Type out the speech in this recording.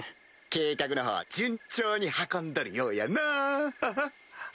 計画のほう順調に運んどるようやなハハっ！